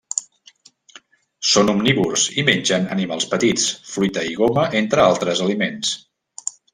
Són omnívors i mengen animals petits, fruita i goma, entre altres aliments.